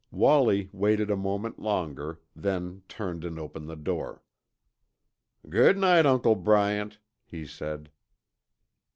Wallie waited a moment longer, then turned and opened the door. "Good night, Uncle Bryant," he said.